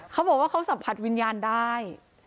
เขาบอกว่าเขาสัมผัสวิญญาณได้